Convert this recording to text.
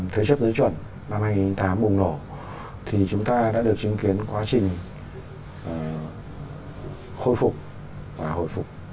thế chấp dưới chuẩn năm hai nghìn tám bùng nổ thì chúng ta đã được chứng kiến quá trình khôi phục và hồi phục